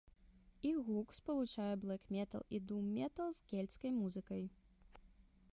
Іх гук спалучае блэк-метал і дум-метал з кельцкай музыкай.